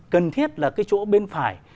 cần thiết là cái chỗ bên phải